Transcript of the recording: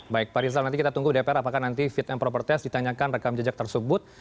baik pak rizal nanti kita tunggu dpr apakah nanti fit and proper test ditanyakan rekam jejak tersebut